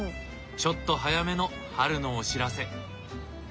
ちょっと早めの春のお知らせ。